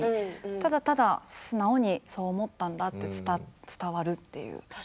ただただ素直にそう思ったんだって伝わったという。